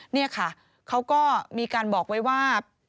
นี่ค่ะเขาก็มีการบอกไว้ว่า